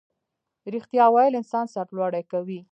ریښتیا ویل انسان سرلوړی کوي